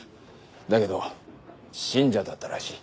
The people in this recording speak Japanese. だけど信者だったらしい。